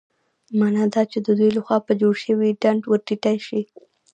مانا دا چې د دوی له خوا په جوړ شوي ډنډ ورټيټې شي.